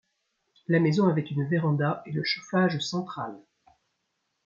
La maison avait une véranda et le chauffage central.